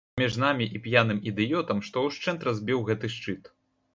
Паміж намі і п'яным ідыётам, што ўшчэнт разбіў гэты шчыт.